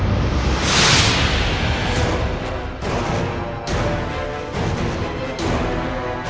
assalamualaikum warahmatullahi wabarakatuh